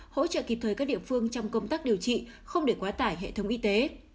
hỗ trợ kịp thời các địa phương trong công tác điều trị không để quá tải hệ thống y tế